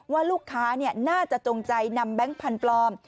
ว่าลูกค้าน่าจะจงใจนำแบงค์พันธุ์ปลอม